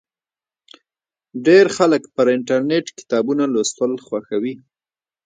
ډیر خلک پر انټرنېټ کتابونه لوستل خوښوي.